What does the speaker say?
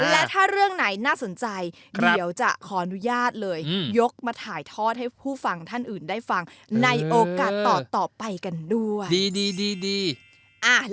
และถ้าเรื่องไหนน่าสนใจเดี๋ยวจะขออนุญาตเลยยกมาถ่ายทอดให้ผู้ฟังท่านอื่นได้ฟังในโอกาสต่อไปกันด้วย